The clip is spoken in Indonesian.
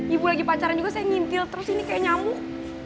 ibu lagi pacaran juga saya ngintil terus ini kayak nyamuk